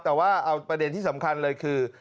แต่ว่าเอาประเด็นที่สำคัญเลยคือ